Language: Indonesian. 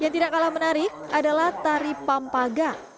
yang tidak kalah menarik adalah tari pampaga